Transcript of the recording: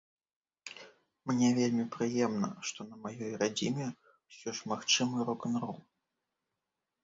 Мне вельмі прыемна, што на маёй радзіме ўсё ж магчымы рок-н-рол.